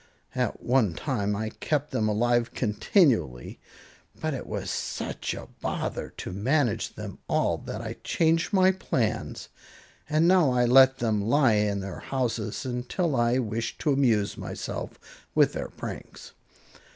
At one time I kept them alive continually, but it was such a bother to manage them all that I changed my plans, and now I let them lie in their houses until I wish to amuse myself with their pranks.